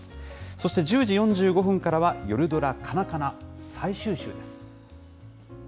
そして１０時４５分からは、夜ドラカナカナ最終週です。